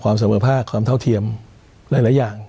ความเสมอภาคความเท่าเทียมหลายหลายอย่าง